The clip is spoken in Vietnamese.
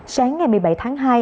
sáng ngày một mươi bảy tháng hai